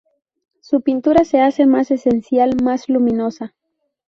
Su pintura se hace más esencial, más luminosa.